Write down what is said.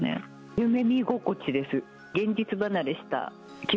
夢見心地です。